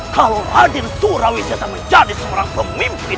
kalau raden surawisesa menjadi seorang pemimpin